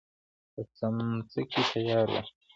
په سمڅه کې تياره وه.